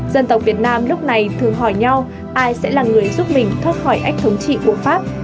dân tộc việt nam lúc này thường hỏi nhau ai sẽ là người giúp mình thoát khỏi ách thống trị của pháp